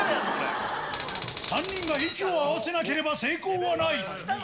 ３人が息を合わせなければ成功はない。